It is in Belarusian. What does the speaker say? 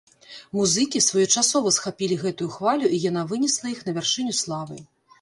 Музыкі своечасова схапілі гэтую хвалю і яна вынесла іх на вяршыню славы.